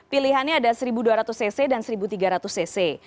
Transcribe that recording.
pilihannya ada satu dua ratus cc dan seribu tiga ratus cc